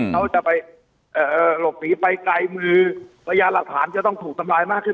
เขาจะไปหลบหนีไปไกลมือพยานหลักฐานจะต้องถูกทำลายมากขึ้น